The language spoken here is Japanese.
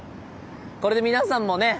これで皆さんもね